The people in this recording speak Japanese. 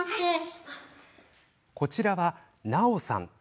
こちらは奈緒さん。